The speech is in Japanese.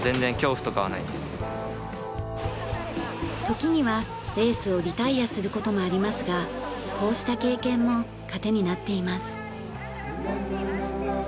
時にはレースをリタイアする事もありますがこうした経験も糧になっています。